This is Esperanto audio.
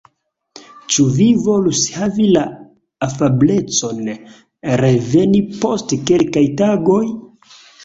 Ĉu vi volus havi la afablecon reveni post kelkaj tagoj?